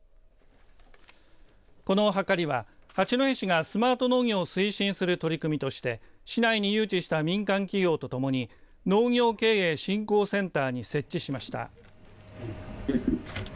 このはかりは八戸市がスマート農業を推進する取り組みとして市内に誘致した民間企業とともに農業経営振興センターに設置しました。